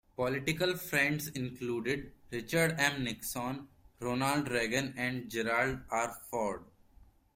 Political friends included Richard M. Nixon, Ronald Reagan and Gerald R. Ford.